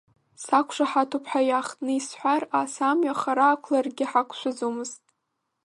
Сақәшаҳаҭуп ҳәа иаахтны исҳәар ас амҩа хара ақәларагьы ҳақәшәаӡомызт.